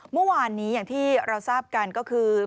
เมื่อวานนี้อย่างที่เราทราบกันก็คือ